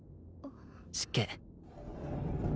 失敬。